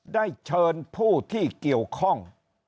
ได้เชิญผู้ที่เกี่ยวข้อง